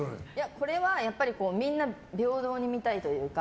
これは、みんな平等に見たいというか。